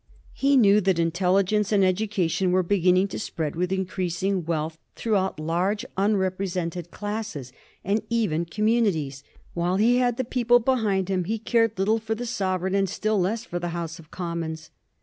He knew that intelligence and education were beginning to spread with increased wealth through large unrepresented classes, and even communities. While he had the people behind him he cared little for the Sovereign, and still less for the House of Commons.